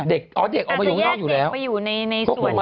อ๋อเด็กออกมาอยู่ข้างนอกไปอยู่แล้ว